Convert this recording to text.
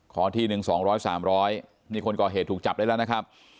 ขอทีหนึ่งสองร้อยสามร้อยนี่คนก่อเหตุถูกจับได้แล้วนะครับ